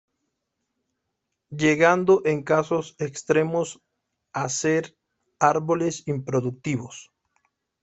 Llegando en casos extremos a ser árboles improductivos.